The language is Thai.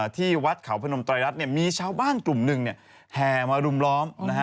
ที่วัดเขาพนมไตรรัฐมีชาวบ้านกลุ่มหนึ่งแห่มารุมล้อม